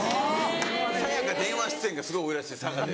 さや香電話出演がすごい多いらしい佐賀で。